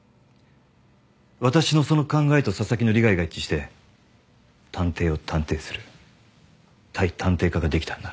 私のその考えと紗崎の利害が一致して探偵を探偵する対探偵課ができたんだ。